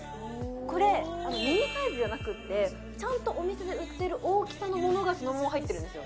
これミニサイズじゃなくってちゃんとお店で売ってる大きさのものがそのまま入ってるんですよ